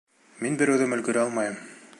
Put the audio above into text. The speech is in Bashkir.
Мин бер үҙем өлгөрә алмайым.